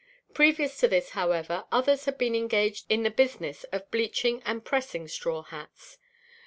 Previous to this, however, others had been engaged in the business of bleaching and pressing straw hats.